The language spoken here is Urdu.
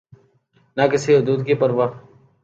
نہ کسی حدود کی پروا۔